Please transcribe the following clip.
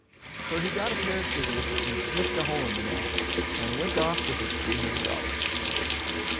So he got a pair of scissors, and snipped a hole in the neck, and went off with his three hundred dollars.